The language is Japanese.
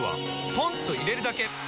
ポンと入れるだけ！